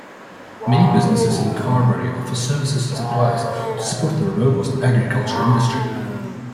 Many businesses in Carberry offer services and supplies to support the robust agriculture industry.